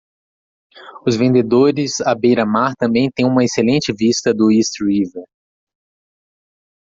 Os vendedores à beira-mar também têm uma excelente vista do East River.